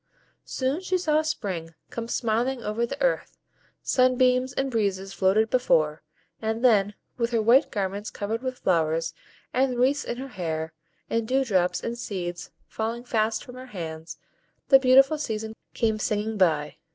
Soon she saw Spring come smiling over the earth; sunbeams and breezes floated before, and then, with her white garments covered with flowers, with wreaths in her hair, and dew drops and seeds falling fast from her hands the beautiful season came singing by.